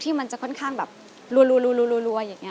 มันจะค่อนข้างแบบรัวอย่างนี้